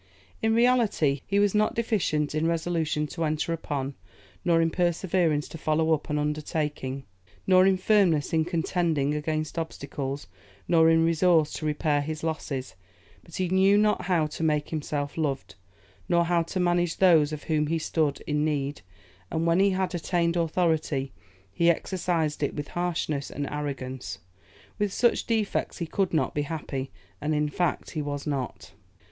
In reality, he was not deficient in resolution to enter upon, nor in perseverance to follow up, an undertaking, nor in firmness in contending against obstacles, nor in resource to repair his losses; but he knew not how to make himself loved, nor how to manage those of whom he stood in need, and when he had attained authority, he exercised it with harshness and arrogance. With such defects he could not be happy, and in fact he was not."